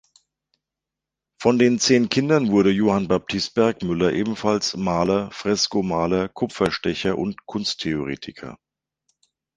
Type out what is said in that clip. Von den zehn Kindern wurde Johann Baptist Bergmüller ebenfalls Maler, Freskomaler, Kupferstecher und Kunsttheoretiker.